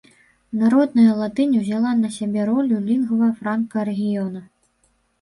Народная латынь узяла на сябе ролю лінгва франка рэгіёна.